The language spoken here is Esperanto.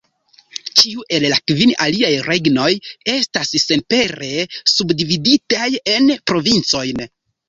Ĉiu el la kvin aliaj regnoj estas senpere subdividitaj en provincojn.